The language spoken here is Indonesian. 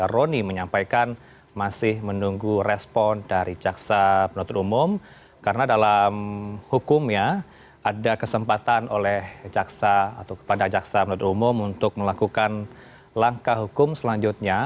roni menyampaikan masih menunggu respon dari caksa penutup umum karena dalam hukumnya ada kesempatan oleh jaksa atau kepada jaksa penutup umum untuk melakukan langkah hukum selanjutnya